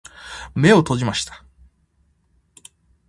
目を閉じました。